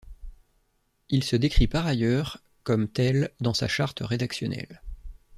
Il se décrit par ailleurs comme tel dans sa charte rédactionnelle.